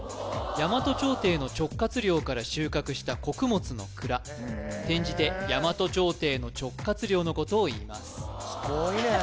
大和朝廷の直轄領から収穫した穀物の蔵転じて大和朝廷の直轄領のことをいいます・すごいね・